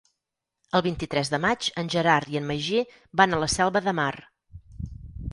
El vint-i-tres de maig en Gerard i en Magí van a la Selva de Mar.